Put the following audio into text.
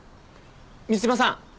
水島さん